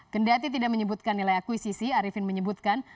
kendati tidak menyebutkan nilai akuisisi arifin menyebutkan